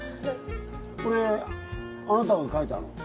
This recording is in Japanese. これあなたが描いたの？